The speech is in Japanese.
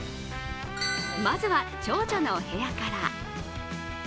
まずは長女のお部屋から。